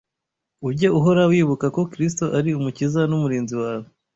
Ujye uhora wibuka ko Kristo ari Umukiza n’Umurinzi wawe.